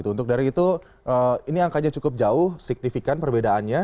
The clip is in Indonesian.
untuk dari itu ini angkanya cukup jauh signifikan perbedaannya